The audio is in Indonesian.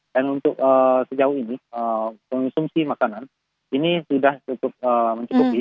dan untuk sejauh ini konsumsi makanan ini sudah cukup mencukupi